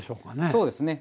そうですね。